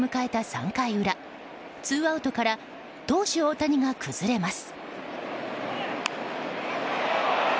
３回裏ツーアウトから投手・大谷が崩れます。